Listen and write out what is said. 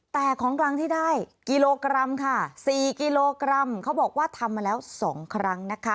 แต่ของกลางที่ได้กิโลกรัมค่ะ๔กิโลกรัมเขาบอกว่าทำมาแล้ว๒ครั้งนะคะ